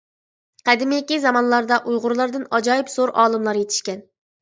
قەدىمكى زامانلاردا، ئۇيغۇرلاردىن ئاجايىپ زور ئالىملار يېتىشكەن.